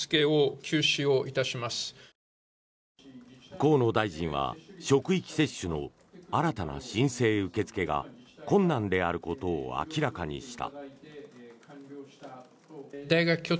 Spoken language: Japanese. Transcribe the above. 河野大臣は職域接種の新たな申請受け付けが困難であることを明らかにした。